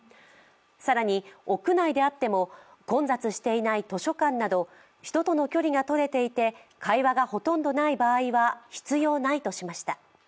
更に、屋内であっても混雑していない図書館など人との距離がとれていて、会話がほとんどない場合は必要ないとしました。